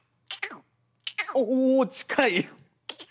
おお近い！